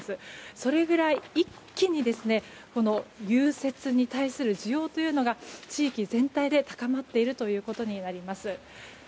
それぐらい一気にこの融雪に対する需要というのが地域全体で高まっているということになります。